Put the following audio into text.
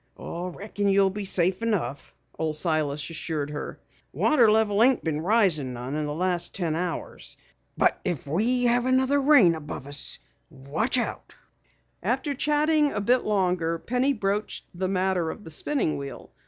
"Reckon you'll be safe enough," Old Silas assured her. "Water level ain't been risin' none in the last ten hours. But if we have another rain above us look out." After chatting a bit longer, Penny broached the matter of the spinning wheel.